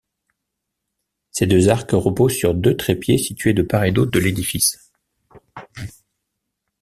Ces deux arcs reposent sur deux trépieds situés de part et d’autre de l’édifice.